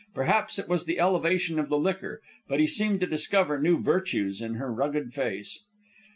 Perhaps it was the elevation of the liquor, but he seemed to discover new virtues in her rugged face.